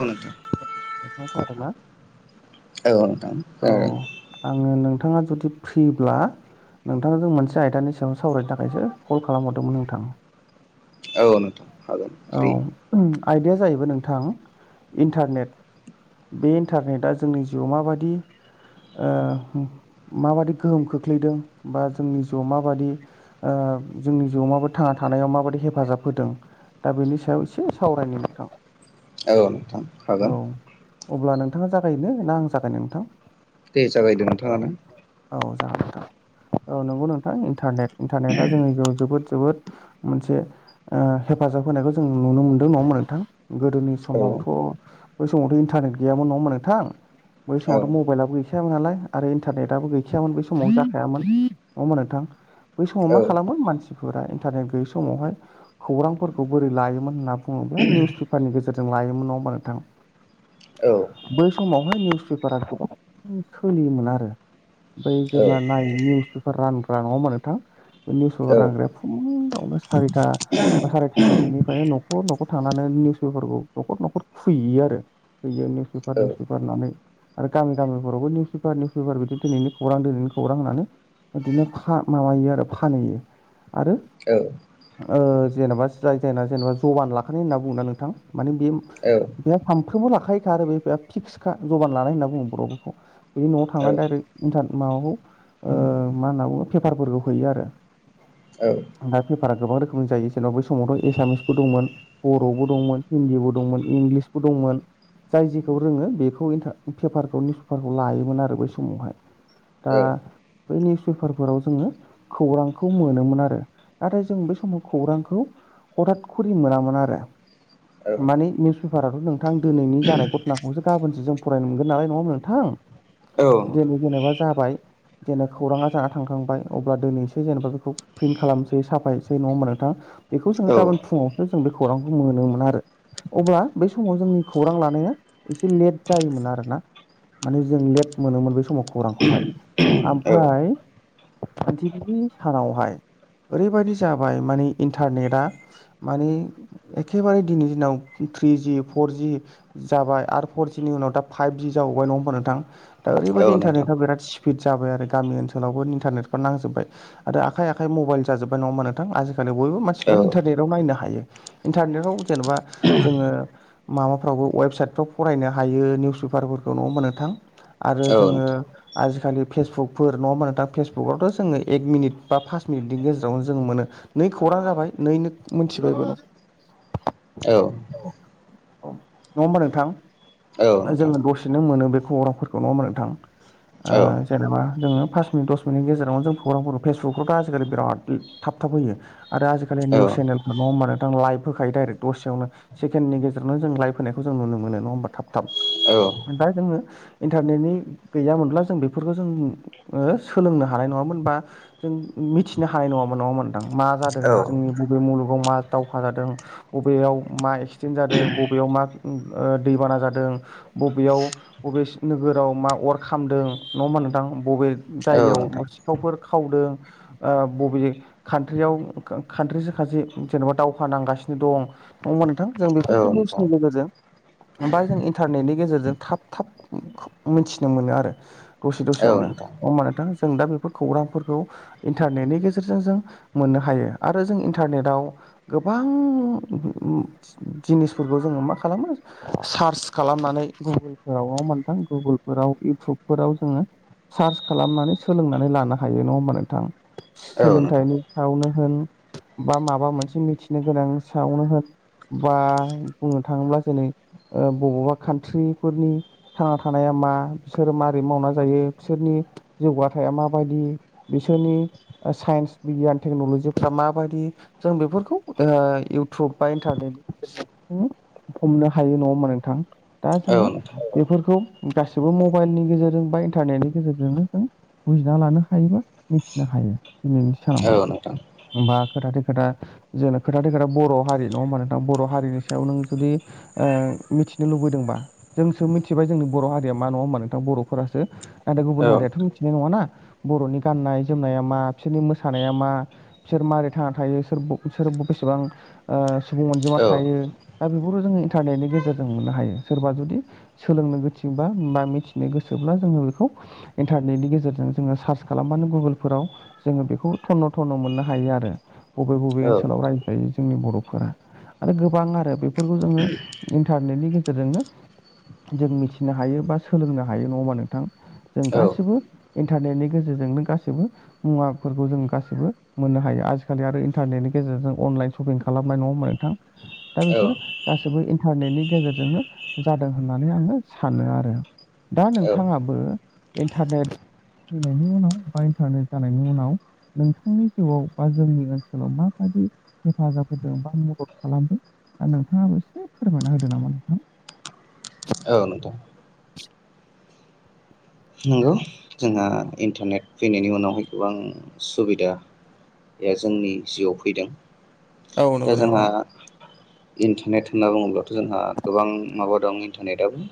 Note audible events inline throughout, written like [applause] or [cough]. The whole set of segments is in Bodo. औ नोंथां [inaudible] औ नोंथां औ ओं आङो नोंथाङा जुदि फ्रिब्ला नोंथां जों मोनसे आयदानि सायाव सावरायनो थाखायसो कल खालाम हरदोंमोन नोंथां औ नोंथां हागोन फ्रि उम आयदाया जाहैबाय नोंथां इनथारनेट बे इनथारनेटआ जोंनि जिउआव माबायदि ओ माबायदि गोहोम खोख्लैदों बा जोंनि जिउआव माबादि ओ जोंनि जिउआव माबायदि थांना थानायाव माबादि हेफाजाब होदों। दा बेनि सायाव इसे सावरायनि नोंथां। औ नोंथां औ हागोन। अब्ला नोंथाङा जागायो ना आं जागायनो नोंथां? दे जागायदो नोंथाङानो। औ जागोन नोंथां औ नंगौ नोंथां इनथारनेट इनथारनेटआ जोंनि जिउ आव जोबोद जोबोद मोनसे ओ हेफाजाब होनायखौ जों नुनो मोनदों नङा होमबा नोंथां गोदोनि औ समावथ' बै समावथ' इनथारनेट गैयामोन नङा होमबा नोंथां बै औ समावथ' मब बाइलाबो गैखायामोन नालाय आरो इनथारनेटआबो गैखायामोन बै समाव जाखायामोन नङा होमबा नोंथां। बै समाव औ मा खालामो मानसिफोरा इनथारनेट गैयै समावहाय खौरांफोरखौ बोरै लायोमोन होनना बुङोब्ला निउस पेपारनि गेजेरजों लायोमोन नङा होमबा नोंथां। औ बै समावहाय निउस पेपारा गोबां सोलियोमोन आरो बै औ जेब्ला नायन निउस पेपार रानग्रा नङा होमबा नोंथां बे निउस औ पेपार रानग्राया फुुङावनो सारिथा बा सारि थिनथासोनिफ्रायनो न'खर न'खर थांनानै निउसपेपारखौ न'खर न'खर खुबैयो आरो। फैयो निउस पेपार निउस पेपार होननानै आरो गामि गामिफोरावबो निउस पेपार निउस पेपार बिदि दिनैनि खौरां दिनैनि खौरां होनानै बिदिनो फा माबायो आरो फानहैयो आरो औ ओ जेनावबा जाय जायना जेनावबा जबान लाखानाय होनना बुङो ना नोंथां माने बे औ औ बे सानफ्रोमबो लाखायोखा आरो बे फिक्सखा जबान लानाय होनना बुङो बर'फोरखौ बिदि न'आव औ थांना डाइरेक्ट इन्टार माबाखौ ओ मा होनना बुङो पेफारफोरखौ हैयो आरो। नोंथां दा पेपारा गोबां रोखोमनि जायो जेनेबा बै समावथ' एसामिसबो दंमोन। बर'बो दंमोन हिन्दीबो दंमोन इंलिसबो दंमोन। जाय जेखौ रोङो बेखौ इन्था पेपारखौ निउसपेपारखौ लायोमोन आरो बै समावहाय। औ दा बै निउस पेपारफोराव जोङो खौरांखौ मोनोमोन आरो नाथाय जों बे समाव खौरांखौ हथाद खुरि मोनामोन आरो। औ नोंथां औ माने निउस पेपाराथ' नोंथां दिनैनि जानाय घटनाखौसो गाबोनसो जों फरायनो मोनगोन नालाय नङा होमब्ला औ नोंथां नोंथां दिनै जेनेबा जाबाय जेन' खौराङा जाना थांखांबाय अब्ला दिनैसो जेनेबा बेखौ प्रिन्ट खालामनोसै साफायनोसै नङा होमबा नोंथां? बेखौ जोङो गाबोन फुङावसो जों बे खौरांखौ मोनोमोन आरो। अब्ला बै समाव जोंनि खौरां लानाया एसे लेट जायोमोन आरोना। माने जों लेट मोनोमोन बै समाव खौरांखौहाय औ आमफाय दिनहिनि सानावहाय ओरैबायदि जाबाय माने इन्टारनेटआ माने एखेबारे दिनै दिनाव थ्रिजि फरजि जाबाय आरो फर जिनि उनाव दा फाइभजि जाबावबाय नङा होमबा नोंथां? दा ओरैबायदि इन्टारनेटा बिराद स्पिड जाबाय आरो गामि ओनसोलावबो इन्टारनेटफोर नांजोबबाय। आरो आखाइ आखाइ मबाइल जाजोबाय नङा होनबा नोंथां आजिखालि बयबो मानसिफ्रा इन्टारनेटाव नायनो हायो। इन्टारनेटाव जेनेबा जोङो माबाफ्रावबो वेबसाइटफ्राव फरायनो हायो निउस पेपारफोरखौ नङा होनबा नोंथां? आरो जोङो आजिखालि फेसबुकफोर नङा होनबा नोंथां फेसबुकावथ' जोङो एक मिनिट बा पास मिनिटनि गेजेरावनो जों मोनो। नै खौरां जाबाय नैनो मोनथिबायबो। औ। औ नङा होमबा नोंथां नोंथां जोङो दस सेनो मोनो बे खौरांफोरखौ नङा होनबा नोंथां ओ जेनेबा जोङो पास मिनिट दस मिनिटनि गेजावनो जों प्रग्रामफोरखौ फेसबुकफ्रावथ' आजिखालि बिराद थाब थाब होयो। आरो आजिखालि निउस चेनेलफोर नङा होमबा नोंथां लाइभ होखायो डाइरेक्ट दसेयावनो। सेकेण्डनि गेजेवनो जों लाइभ होनायखौ जों नुनो मोनो नङा होमबा थाब थाब। ओमफ्राय जोङो इन्टारनेटनि गैयामोनब्ला जों बेफोरखौ जों ओ सोलोंनो हानाय नङामोन बा जों मिथिनो हानाय नङामोन नङा होनबा नोंथां मा जादों जोंनि औ बबे मुलुगाव मा दावहा जादों बबेयाव मा एक्सिडेन्ट जादों बबेयाव मा उ ओ दैबाना जादों बबेयाव बबेस नोगोराव मा अर खालामदों नङा होनबा नोंथां बबे जायगायाव सिखावफोर खावदों ओ बबे कान्ट्रियाव कान्ट्रिजों खाथि जेन'बा दावहा नांगासिनो दं नङा होनबा नोंथां जों बेफोरखौ नोंथां निउसनि गेजेरजों बा जों इन्टारनेटनि गेजेरजों थाब थाब मिथिनो मोनो आरो। दसे औ दसेयावनो अ नोंथां होनबा नोथां जों दा बेफोर खौरांफोरखौ इन्टारनेटनि गेजेरजों जों मोननो हायो आरो जों इन्टारनेटाव गोबां उम उम उम जिनिसफोरखौ जोङो मा खालामो सार्स खालामनानै गुगोलफोरावल' [unintelligible] गुगोलफोराव इउटुबफोराव जोङो सार्च खालामनानै सोलोंनानै लानो हायो नङा होमबा नोंथां? औ सोलोंथाइनि नोंथां सायावनो होन बा माबा मोनसे मिथिनो गोनां सायावनो होन। बा बुंनो थाङोब्ला जेनै ओ बबावबा कान्ट्रिफोरनि थांना थानाया मा बिसोरो माबोरै मावना जायो बिसोरनि जौगाथाया माबायदि बिसोरनि साइन्स बिगियान टेक्न'लजिफ्रा माबायदि? जों बेफोरखौ ओ इउटुब बा इन्टारनेटनि गेजेर हमनो हायो नङा होमबा नोंथां? दा औ जोङो नोंथां बेफोरखौ गासिबो मबाइलनि गेजेरजों बा इन्टारनेटनि गेजेरजोंनो जों बुजिना लानो हायोबा मिथिनो हायो दिनैनि सानावहाय। औ बा खोथाथो खोथा जोंनो खोथाथो खोथा बर' हारि नङा होमबा नोंथां बर' हारिनि सायाव नों जुदि ओ मिथिनो लुबैदोंबा जोंसो मिथिबाय जोंनि बर' हारिया मा नङा होमबा नोंथां बर'फोरासो नाथाय गुबुन हारियाथ' औ मिथिनाय नङाना बर'नि गाननाय जोमनाया मा बिसोरनि मोसानाया मा? बिसोर मारै थांना थायो? सोर सोर बेसेबां ओ सुबुं अनजिमा थायो दा बेफोरखौ जोङो इन्टारनेटनि गेजेरजों मोननो हायो। सोरबा जुदि सोलोंनो गोथिबा बा मिथिनो गोसोब्ला जोङो बेखौ इन्टारनेटनि गेजेरजों जोङो सार्च खालामबानो गुगोलफोराव जोङो बेखौ थन्न' थन्न' मोननो हायो आरो बबे बबे ओनसोलाव औ रायजो जोंनि बर'फोरा आरो गोबां आरो बेफोरखौ जोङो इन्टारनेटनि गेजेर जोंनो जों मिथिनो हायो बा सोलोंनो हायो नङा होनबा नोंथां जों औ गासिबो इन्टारनेतनि गेजेरजोंनो गासैबो मुवाफोरखौ जों गासिबो मोननो हायो आजिखालि आरो इन्टारनेटनि गेजेरजों अनलाइन शपिं खालामबाय नङा होनबा नोंथां। दा बेफोरो गासैबो इन्टारनेटनि गेजेरजोंनो जादों होननानै आङो सानो आरो दा औ औ नोंथाङाबो इन्टारनेट फैनायनि उनाव बा इन्टारनेट जानायनि उनाव नोंथांनि जिउआव बा जोंनि ओनसोलाव माबायदि हेफाजाब होदों बा मदद खालामदों दा नोंथाङाबो एसे फोरमायना होदो नामा नोंथां? औ नोंथां। नंगौ जोंहा इन्टारनेट फैनायनि उनावहाय गोबां सुबिदा या जोंनि जिउआव फैदों। औ दा नंगौ नोंथां जोंहा इन्टारनेट होनना बुङोब्लाथ' जोंहा गोबां माबा दं इन्टारनेटआबो।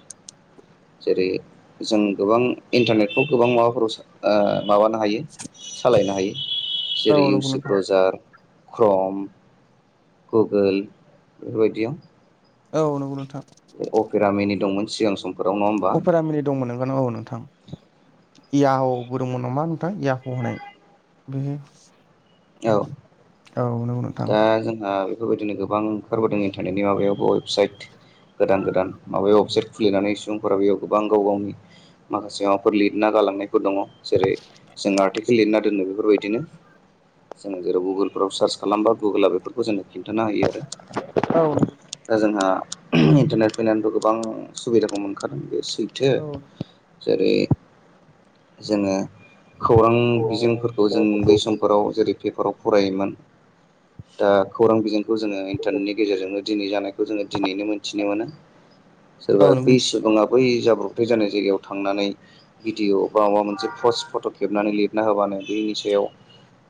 जेरै जों गोबां इन्टारनेटखौ गोबां माबाफोराव सो ओ माबानो हायो। सालायनो हायो औ जेरै नंगौ नोंथां इउसिप्रजार क्रम, गुगोल बेफोरबायदियाव औ नंगौ नोंथां। अपेरामेनि दंमोन सिगां सम। अपेरामेनि दंमोन नोंगौ औ नोंथां। इयाह'बो दंमोन नामा नोंथां इयाह' होननाय बे- औ औ नंगौ नोंथां दा जोंहा बेफोरबायदिनो गोबां ओंखारबोदों इन्टारनेटनि माबायावबो वेबसाइट गोदान-गोदान। माबायाव वेबसाइट खुलिनानै सुबुंफोरा बेयाव गोबां गाव-गावनि माखासे माबाफोर लिरना गालांनाय फोर दङ। जेरै जों आर्टिकेल लिरना दोनो बेफोरबायदिनो। जोङो जेराव गुगोलफ्राव सार्च खालामबा गुगोला बेफोर खौ जोंनो खिन्थाना होयो आरो। औ दा जोंहा इन्टारनेट फैनानैथ' गोबां सुबिदाखौ मोनखादों बे सैथो। औ जेरै जोङो खौरां बिजोंफोरखौ जों बै समफोराव जेरै पेपाराव फरायोमोन दा खौरां बिजोंखौ जोङो इन्टारनेटनि गेजेरजोंनो दिनै जानायखौ जोङो दिनैनो मिन्थिनो मोनो। सोरबा औ बै नंगौ सुबुंआ बै जाब्रबथाय जानाय जायगायाव थांनानै भिडिअ बा माबा मोनसे पस्ट, फट' खेबनानै लिरना होबानो बेनि सायाव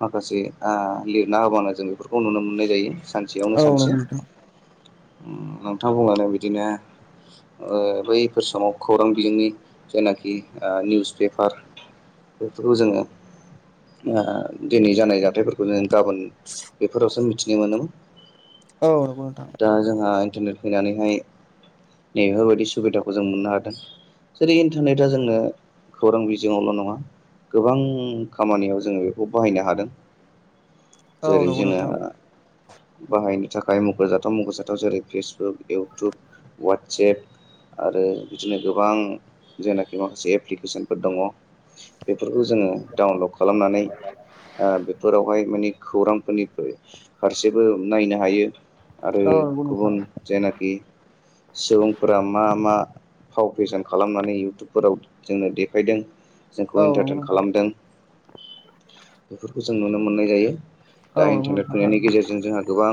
माखासे ओ लिरना होबानो जों बेफोरखौ नुनो मोननाय जायो सानसेयावनो औ सानसे। नंगौ नोंथां उम नोंथां बुंलांनाय बिदिनो ओ बैफोर समाव खौरां बिजोंनि जेनाखि ओ निउस पेपार बेफोरखौ जोङो ओ दिनै जानाय जाथायफोरखौ नो गाबोन बेफोरावसो मिथिनो मोनोमोन। औ नंगौ नोथां। दा जोंहा इन्टारनेट फैनानैहाय नै बेफोरबायदि सुबिदाखौ जों मोननो हादों जेरै इन्टारनेटआ जोंनो खौरां बिजोङावल' नङा गोबां खामानियाव जोङो बेखौ बाहायनो हादों। औ जेरै नंगौ जोङो नोंथां बाहायनो थाखाय मख'जाथाव मख'जाथाव जेरै फेसबुक, इउटुब, वाट्सेएप आरो बिदिनो गोबां जेनाखि माखासे एप्लिकेसनफोर दङ। बेफोरखौ जोङो डाउनलड खालामनानै ओ बेफोरावहाय माने खौरांफोरनि फारसेबो नायनो हायो आरो औ नंगौ नोंथां गुबुन जेनाखि सुबुंफोरा मा मा फाव फेसन खालामनानै इउटुबफोराव जोंनो देखायदों जोंखौ औ नंगौ इन्टारटेन नोंथां खालामदों बेफोरखौ जों जों नुनो मोननाय जायो दा इन्टारनेट फैनायनि गेजेरजों जोंहा गोबां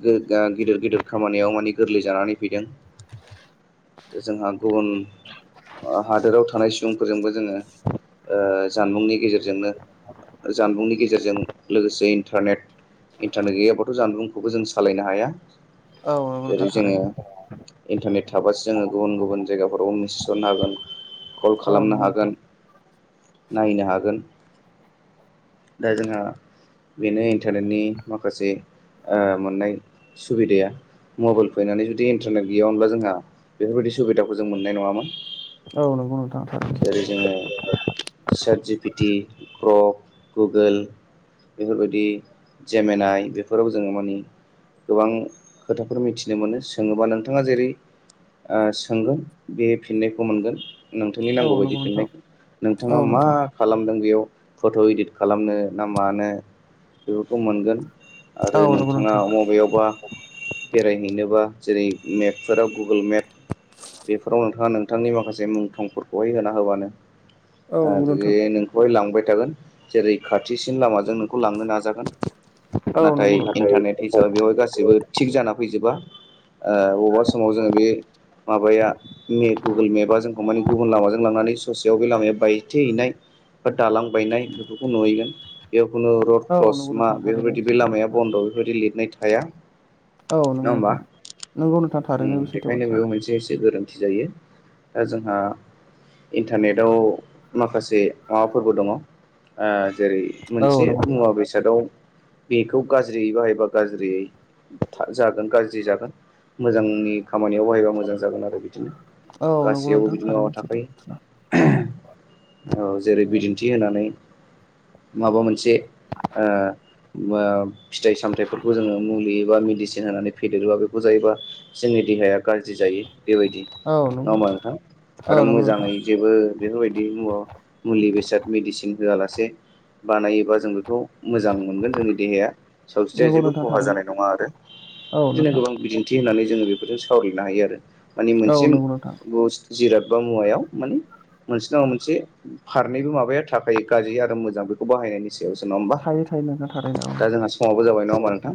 गो गा गिदिर गिदिर खामानियाव माने गोरलै जानानै फैदों। जोंहा गुबुन [inaudible] हादोराव थानाय सुबुंफोरजोंबो जोङो ओ जानबुंनि गेजेरजोंनो जानबुंनि गेजेरजों लोगोसे इन्टारनेट इन्टारनेट गैयाबाथ' जानबुंखौबो जों सालायनो हाया। औ नंगौ नोंथां जेरै जोङो थारैनो इन्टारनेट थाबासो जोङो गुबुन गुबुन जायगाफोराव मिसेस हरनो हागोन। कल औ नंगौ नोंथां थारैनो औ खालामनो नंगौ हागोन नोंथां नायनो हागोन दा जोंहा बेनो इन्टारनेटनि माखासे ओ मोननाय सुबिदाया मबाइल फैनानै जुदि इन्टारनेट गैयामोनब्ला जोंहा बेफोरबायदि सुबिदाखौ जों मोननाय नङामोन। औ नंगौ नोंथां औ। जेरै जोङो सार्ज जिपिति क्रप गुगोल बेफोरबायदि जेमेनाय बेफोराव जोङो मानि गोबां खोथाफोर मिथिनो मोनो सोङोबा नोंथाङा जेरै ओ सोंगोन बे फिननायखौ खौ मोनगोन नोंथांनि औ नांगौ बायदि नंगौ नोंथां फिननायखौ नोंथाङा औ मा नोंथां खालामदों बेयाव फट' इदिट खालामनो ना मानो बेफोरखौ मोनगोन। आरो औ नंगौ नोंथाङा नोंथां मबेयावबा बेरायहैनोबा जेरै मेपफोराव गुगोल मेप बेफोराव नोंथाङा नों नोंथांनि माखासे मुं थंफोरखौहाय होना होबानो औ ओ नंगौ नोंथां बे नों बेवहाय लांबाय थागोन जेरै खाथिसिन लामाजों नोंखौ लांनो नाजागोन औ नाथाय नंगौ नोंथां इन्टारनेट हिसाबै बेवाय गासैबो थिग जाना फैजोबा ओ बबेबा समाव जोङो बे माबाया नेट गुगोल मेपा जोंखौ माने गुबुन लामाजों लांनानै ससेयाव बे लामायाव बायथे हैनाय बा दालां बायनाय बेफोरखौ नुहैगोन बेयाव खुनु रड औ क्लस नंगौ मा नोंथां थारैनो बेफोरबायदि बे सैथो लामाया बाथ्रा बन्द' बेफोरबायदि लिरनाय थाया औ नङा नंगौ होमबा? नोंथां नंगौ नोंथां थारैनो बे सैथो बेखायनो बाथ्रा बेयाव मोनसे एसे गोरोन्थि जायो। दा जोंहा इन्टारनेटाव माखासे माबाफोरबो दङ ओ जेरै - औ मोनसे नंगौ नोंथां मुवा बेसादाव बेखौ गाज्रियै बाहायबा गाज्रियै था जागोन गाज्रि जागोन मोजांनि खामानियाव बाहायबा मोजां जागोन आरो बिदिनो। औ नंगौ गासैयावबो नोंथां बिदिनो माबा थारैनो सैथो थाखायो। बाथ्रा औ जेरै बिदिन्थि होनानै माबा मोनसे ओ ओ फिथाइ सामथायाइफोरखौ जोङो मुलि एबा मेडिसिन होनानै फेदेरोबा बेखौ जायोबा जोंनि देहाया गाज्रि जायो बेबायदि औ नङा नंगौ होमबा नोंथां? औ आरो नंगौ नोंथां मोजाङै जेबो बेफोरबायदि मुवा मुलि बेसाद मेदिसिन होआलासे बानायोबा जों बेखौ मोजां मोनगोन जोंनि देहाया। सावस्रिया नंगौ जेबो नोंथां खहा थारैनो जानाय नङा आरो औ बिदिनो नोंथां गोबां बिदिन थि होननानै जोङो बेफोरजों सावरायनो हायो आरो माने औ मोनसे नंगौ नोंथां जिराद बा मुवायाव माने मोनसे नङा मोनसे फारनैबो माबाया थाखायायो गाज्रि आरो मोजां बेखौ बाहायनायनि सायावसो नङा होमबा? थायो थायो नोंथां थारैनो औ दा जोंहा समावबो जाबाय नङा होमबा नोंथां?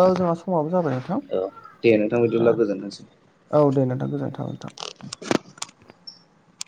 औ जोंहा समाबो जाबाय नोंथां औ दे नोंथां दा बिदिब्ला गोजोनथोंसै। औ दे नोंथां गोजोन्थों नोंथां।